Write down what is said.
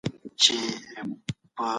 خپل مطالب په ساده او هنري ژبه وړاندي کړئ.